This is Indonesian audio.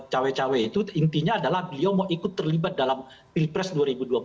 cawe cawe itu intinya adalah beliau mau ikut terlibat dalam pilpres dua ribu dua puluh empat